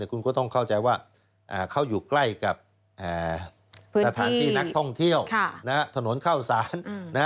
คุณก็ต้องเข้าใจว่าเขาอยู่ใกล้กับสถานที่นักท่องเที่ยวถนนเข้าสาร